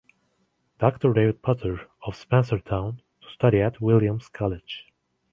Doctor David Potter, of Spencertown, to study at Williams College.